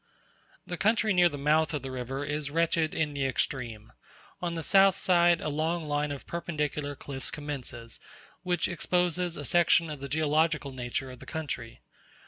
The country near the mouth of the river is wretched in the extreme: on the south side a long line of perpendicular cliffs commences, which exposes a section of the geological nature of the country.